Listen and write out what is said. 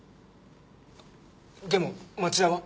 でも町田は？